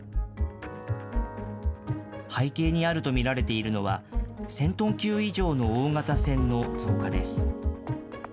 背景にあると見られているのは、１０００トン級以上の大型船の増加です。